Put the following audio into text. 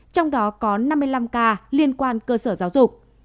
trong đó có năm mươi năm ca liên quan cơ sở giáo dục